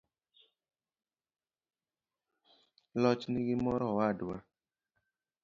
loch nigi morowadwa